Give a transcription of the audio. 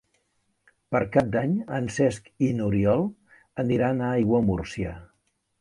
Per Cap d'Any en Cesc i n'Oriol aniran a Aiguamúrcia.